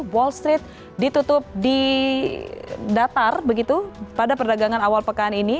wall street ditutup di datar begitu pada perdagangan awal pekan ini